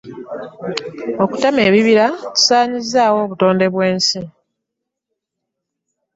Okutema ebibira kisaanyizzaawo obutonde bwaffe.